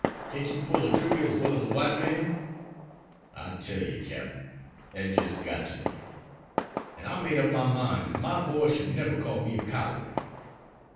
Can't you pull a trigger as well as a white man?' I tell yer, Cap, dat jis' got to me, an' I made up my mine dat my boy should neber call me a coward."